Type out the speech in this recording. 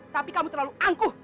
tapi kamu terlalu angkuh